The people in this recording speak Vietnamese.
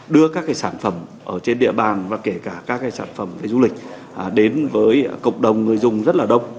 đưa các sản phẩm ở trên địa bàn và kể cả các sản phẩm du lịch đến với cộng đồng người dùng rất là đông